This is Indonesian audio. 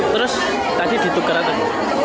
terus tadi ditukar atau